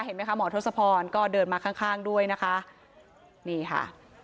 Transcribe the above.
เห็นไหมคะหมอทศพรก็เดินมาข้างข้างด้วยนะคะนี่ค่ะ